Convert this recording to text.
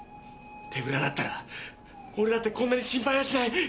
手ぶらだったら俺だってこんなに心配はしない。